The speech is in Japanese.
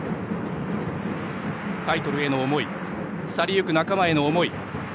タイトルへの思い去り行く仲間への思い。